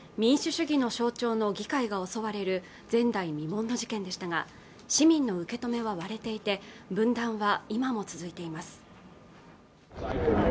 民主主義の象徴の議会が襲われる前代未聞の事件でしたが市民の受け止めは割れていて分断は今も続いています